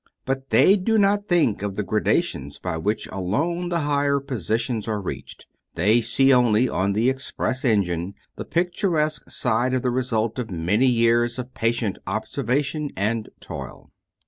But they do not think of the gradations by which alone the higher positions are reached; they see only on the express engine the picturesque side of the result of many years of patient observation and toil."